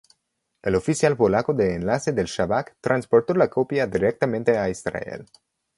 El oficial polaco de enlace del Shabak transportó la copia directamente a Israel.